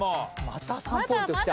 また３ポイントきた。